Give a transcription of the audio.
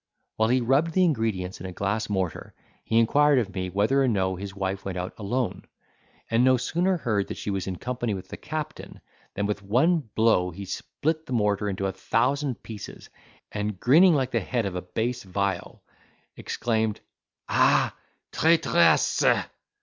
While he rubbed the ingredients in a glass mortar, he inquired of me, whether or no his wife went out alone; and no sooner heard that she was in company with the captain, than with one blow he split the mortar into a thousand pieces, and grinning like the head of a bass viol, exclaimed, "Ah, traitresse!"